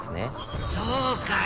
そうかい。